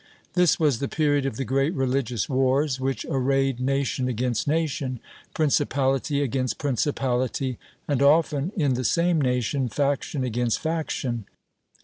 This was the period of the great religious wars which arrayed nation against nation, principality against principality, and often, in the same nation, faction against faction.